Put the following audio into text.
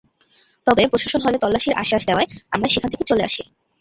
তবে প্রশাসন হলে তল্লাশির আশ্বাস দেওয়ায় আমরা সেখান থেকে চলে আসি।